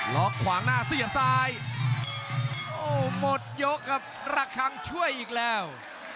ขวางหน้าเสียบซ้ายโอ้หมดยกครับระคังช่วยอีกแล้ว